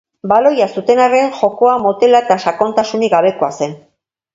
Baloia zuten arren, jokoa motela eta sakontasunik gabekoa zen.